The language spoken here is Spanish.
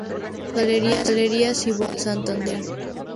Galería Siboney, Santander.